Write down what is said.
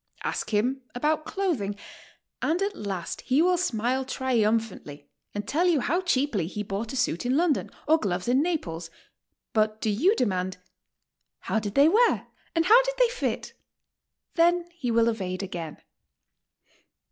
Ask him about clothing and at last he will smile triumphantly and tell you how cheaply he bought a suit in London or gloves in Nappies, but do you demand, "How did they wear, and how did they fit?'' Then he will evade again.